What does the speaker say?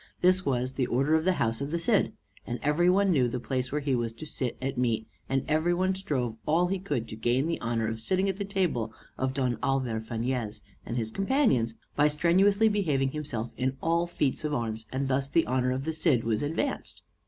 This was the order in the house of the Cid, and every one knew the place where he was to sit at meat, and every one strove all he could to gain the honor of sitting at the table of Don Alvar Fañez and his companions, by strenuously behaving himself in all feats of arms; and thus the honor of the Cid was advanced.